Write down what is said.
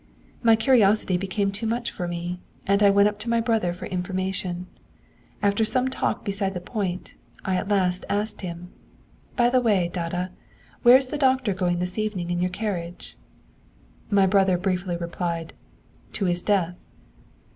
'My curiosity became too much for me, and I went up to my brother for information. After some talk beside the point, I at last asked him: "By the way, Dada, where is the doctor going this evening in your carriage?" Elder brother. 'My brother briefly replied: "To his death."